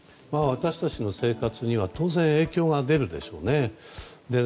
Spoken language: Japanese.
私たちの生活には当然、影響は出るでしょうね。